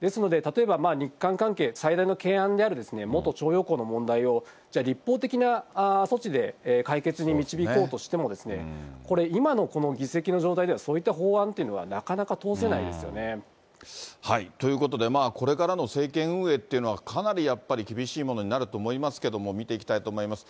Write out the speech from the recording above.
ですので、例えば日韓関係、最大の懸案である元徴用工の問題を、立法的な措置で解決に導こうとしても、これ、今のこの議席の状態では、そういった法案というのはなかなか通せないですよね。ということで、これからの政権運営というのは、かなりやっぱり、厳しいものになると思いますけども、見ていきたいと思います。